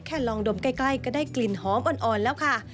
ลองดมใกล้ก็ได้กลิ่นหอมอ่อนแล้วค่ะ